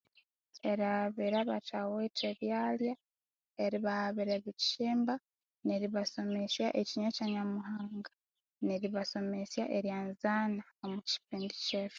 Erighabira abathawithe ebyalya, eribaghabira ebikyimba, neribasomesya ekinywa kya Nyamuhanga, neribasomesya eryanzana omwa kyipindi kyethu.